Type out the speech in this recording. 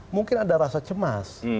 mungkin ada rasa cemas